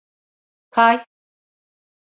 Kay!